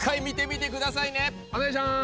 お願いしまーす！